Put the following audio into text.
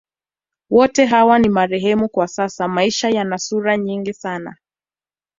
Wote hawa ni marehemu kwa sasa Maisha yana sura nyingi sana